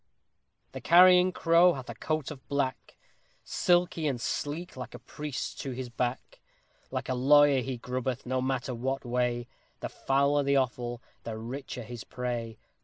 _ The Carrion Crow hath a coat of black, Silky and sleek like a priest's to his back; Like a lawyer he grubbeth no matter what way The fouler the offal, the richer his prey.